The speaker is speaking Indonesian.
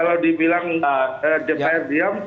kalau dibilang dpr diam saya tidak menanggung